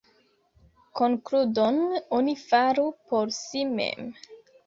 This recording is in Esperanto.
Konkludon oni faru por si mem.